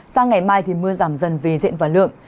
sang ngày mai thì mưa giảm dần vì diện và lượng